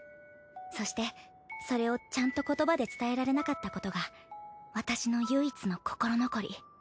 そしてそれをちゃんと言葉で伝えられなかったことが私の唯一の心残り。